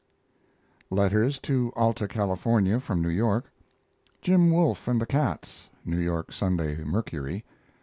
Letters to Alta California from New York. JIM WOLFE AND THE CATS N. Y. Sunday Mercury.